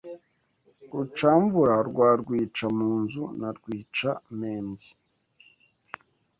Rucamvura rwa Rwica-mu-nzu na Rwica-mpembyi